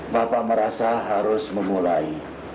bapak merasa harus memulai